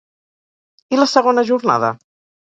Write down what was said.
I la segona jornada?